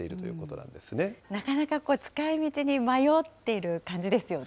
なかなか使いみちに迷っている感じですよね。